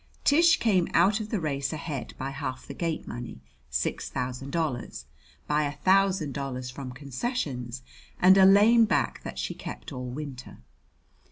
Tish came out of the race ahead by half the gate money six thousand dollars by a thousand dollars from concessions, and a lame back that she kept all winter.